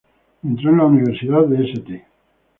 Entró en la Universidad de St.